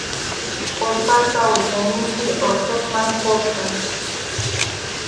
Urpaypa wichayninpi Urqusman kuska.